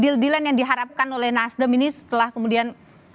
deal deal yang diharapkan oleh nasdem ini setelah kemudian